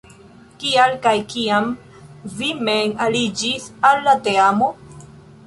Kial kaj kiam vi mem aliĝis al la teamo?